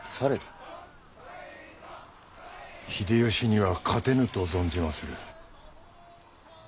秀吉には勝てぬと存じまする。